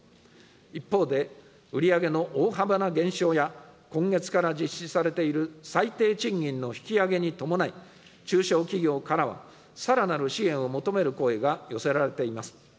一方で、売り上げの大幅な減少や、今月から実施されている最低賃金の引き上げに伴い、中小企業からはさらなる支援を求める声が寄せられています。